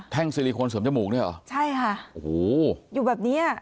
แท่งซิลิโคนเสริมจมูกเนี่ยหรอใช่ค่ะโอ้โหอยู่แบบนี้